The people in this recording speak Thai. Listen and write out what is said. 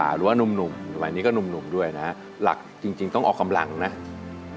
หรือนุ่มหลักจริงต้องออกกำลังอย่างนี้